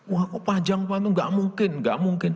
wah kok panjang panjang enggak mungkin enggak mungkin